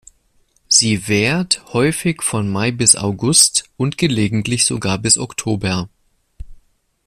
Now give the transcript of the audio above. Sie währt häufig von Mai bis August und gelegentlich sogar bis Oktober.